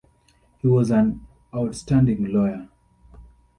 He was an outstanding lawyer.